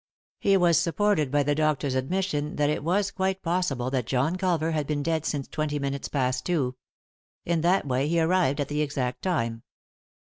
He was supported by the doctor's admission that it was quite possible that John Culver had been dead since twenty minutes past two. In that way he arrived at the exact time.